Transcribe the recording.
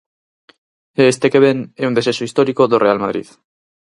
E este que ven é un desexo histórico do Real Madrid.